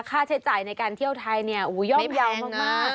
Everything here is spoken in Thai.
ค่าใช้จ่ายในการเที่ยวไทยย่อมเยาว์มาก